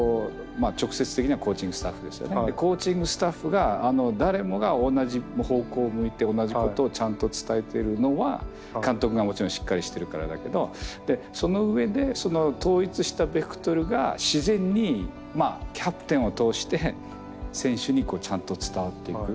コーチングスタッフが誰もが同じ方向を向いて同じことをちゃんと伝えているのは監督がもちろんしっかりしているからだけどその上でその統一したベクトルが自然にまあキャプテンを通して選手にちゃんと伝わっていく。